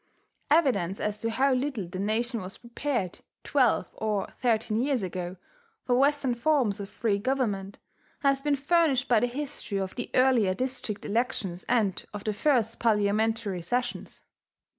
Evidence as to how little the nation was prepared, twelve or thirteen years ago, for Western forms of free government, has been furnished by the history of the earlier district elections and of the first parliamentary sessions.